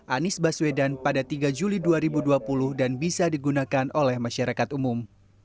anies baswedan pada tiga juli dua ribu dua puluh dan bisa digunakan oleh masyarakat umum